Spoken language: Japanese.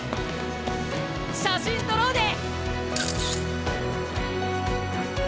写真撮ろうで！